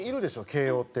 慶應って。